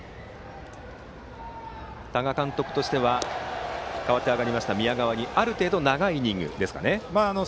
多賀監督としては代わって上がりました宮川にある程度、長いイニングを任せたいところですね。